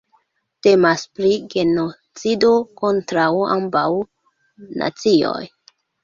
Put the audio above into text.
Temas pri genocido kontraŭ ambaŭ nacioj.